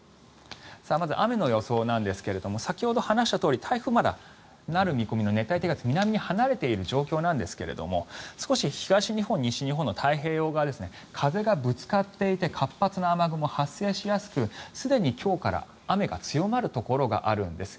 まず、雨の予想なんですが先ほど話したとおり台風、まだなる見込みの熱帯低気圧南に離れている状況なんですけども少し東日本、北日本の太平洋側風がぶつかっていて活発な雨雲、発生しやすくすでに今日から雨が強まるところがあるんです。